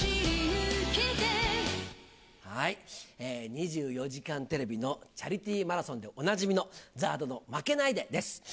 ２４時間テレビのチャリティーマラソンでおなじみのＺＡＲＤの負けないでです。